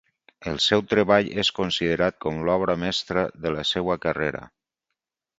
El seu treball és considerat com l'obra mestra de la seva carrera.